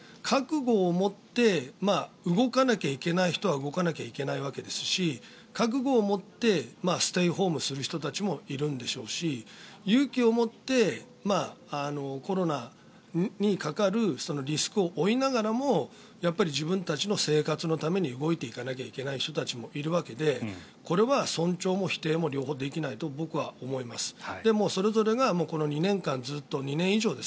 覚悟を持って動かなきゃいけない人は動かなきゃいけないわけですし覚悟を持ってステイホームする人たちもいるんでしょうし勇気を持って、コロナにかかるリスクを負いながらもやっぱり自分たちの生活のために動いていかなきゃいけない人たちもいるわけでこれは尊重も否定も両方できないと、僕は思います。